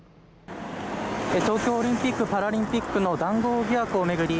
東京オリンピック・パラリンピックの談合疑惑を巡り